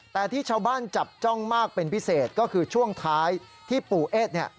แต่ที่ชาวบ้านจับจ้องมากเป็นพิเศษก็คือช่วงท้ายที่ปู่เอสเนี่ย